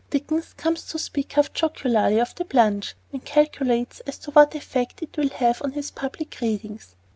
Dickens comes to speak half jocularly of "the plunge," and calculates as to what effect it will have on his public readings.